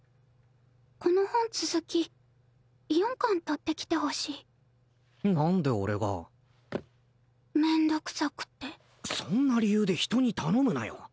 この本続き４巻取ってきてほしい何で俺が面倒くさくてそんな理由で人に頼むなよ